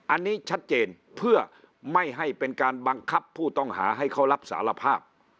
อันนี้ชัดเจนเพื่อไม่ให้เป็นการบังคับผู้ต้องหาให้เขารับสารภาพ